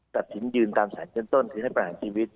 ตัดสินยืนตามสารชั้นต้นคือให้ประหารชีวิต